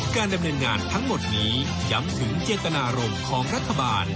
การดำเนินงานทั้งหมดนี้ย้ำถึงเจตนารมณ์ของรัฐบาล